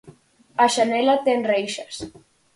A xanela ten reixas.